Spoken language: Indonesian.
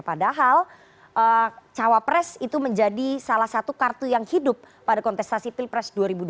padahal cawapres itu menjadi salah satu kartu yang hidup pada kontestasi pilpres dua ribu dua puluh